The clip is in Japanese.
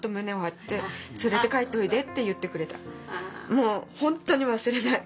もう本当に忘れない。